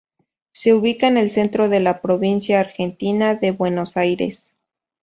Se ubican en el centro de la provincia argentina de Buenos Aires.